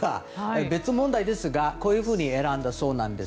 別問題ですが、こういうふうに選んだそうなんです。